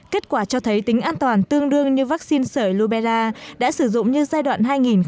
kết quả cho thấy tính an toàn tương đương như vaccine sởi lobella đã sử dụng như giai đoạn hai nghìn một mươi bốn hai nghìn một mươi sáu